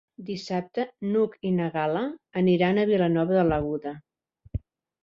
Dissabte n'Hug i na Gal·la aniran a Vilanova de l'Aguda.